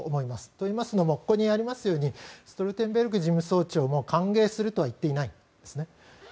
といいますのもここにありますようにストルテンベルグ事務総長も歓迎するとは言っていないんですね。